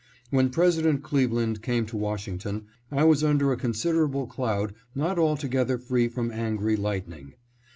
When President Cleve land came to Washington, I was under a considerable cloud not altogether free from angry lightning.